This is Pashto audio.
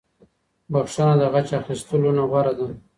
بښنه د غچ اخيستلو نه غوره ده.